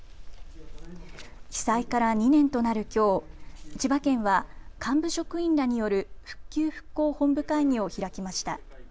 被災から２年となるきょう、千葉県は幹部職員らによる復旧・復興本部会議を開きました。